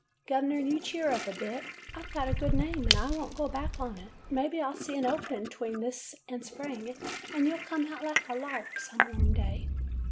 'Gov'ner, you cheer up a bit. I Ve got a good name, and I won't go back on it. Maybe I 'll see an opening 'tween this and spring, and you 'll come out like a lark some warm day.